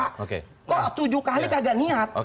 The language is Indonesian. kok tujuh kali tidak ada niat